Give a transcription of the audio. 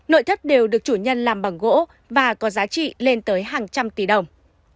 nội thất đều được chủ nhân làm bằng gỗ và có giá trị lên tới hàng trăm tỷ đồng